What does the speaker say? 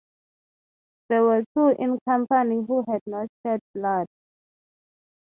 There were two in company who had not shed blood.